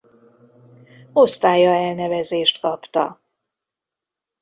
Osztálya elnevezést kapta.